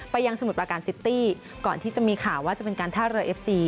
ยังสมุทรประการซิตี้ก่อนที่จะมีข่าวว่าจะเป็นการท่าเรือเอฟซี